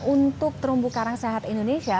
untuk terumbu karang sehat indonesia